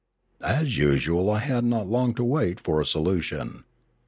As usual I had not long to wait for a solution.